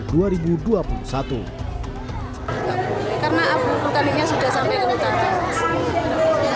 karena abu vulkaniknya sudah sampai ke nutang